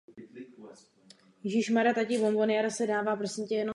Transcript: Stal se tak nejstarším slovenským nováčkem v historii soutěže.